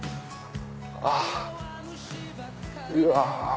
あっうわ。